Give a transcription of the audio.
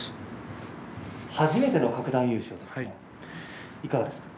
初めての各段優勝いかがですか。